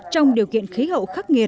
trong điều kiện khí hậu khắc nghiệt